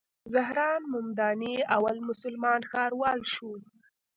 زهران ممداني اول مسلمان ښاروال شو.